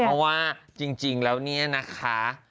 เพราะว่าจริงแล้วเนี่ยนะคะ